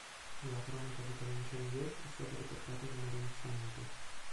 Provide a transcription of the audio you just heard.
La cronaca di tale incendio è stata riportata da Marin Sanudo.